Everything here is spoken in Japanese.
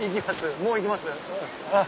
もう行きます？